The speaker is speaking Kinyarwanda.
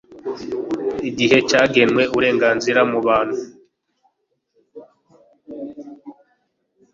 igihe cyagenwe uburenganzira mubantu